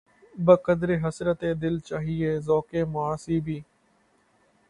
بقدرِ حسرتِ دل‘ چاہیے ذوقِ معاصی بھی